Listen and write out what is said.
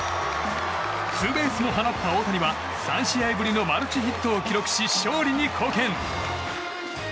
ツーベースを放った大谷は３試合ぶりのマルチヒットを記録し勝利に貢献。